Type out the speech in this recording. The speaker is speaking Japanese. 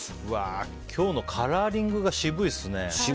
今日のカラーリングが渋いですね。